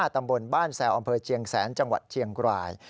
ตำบลบ้านแซวอำเภอเชียงแสนจังหวัดเชียงราย